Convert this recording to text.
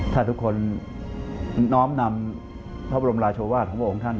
ถ้าทุกคนน้อมนำพระบรมราชวาสของพระองค์ท่าน